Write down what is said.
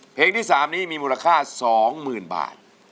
เพลงที่๓นี้มีมูลค่า๒๐๐๐บาท